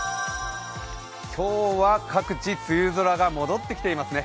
今日は各地梅雨空が戻ってきていますね。